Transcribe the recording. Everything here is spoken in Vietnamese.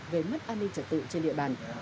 về mất an ninh trật tự trên địa bàn